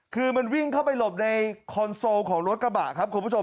คือมันวิ่งเข้าไปหลบในคอนโซลของรถกระบะครับคุณผู้ชม